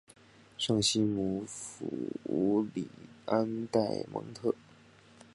圣西姆福里安代蒙特。